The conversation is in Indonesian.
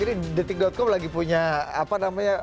ini detik com lagi punya apa namanya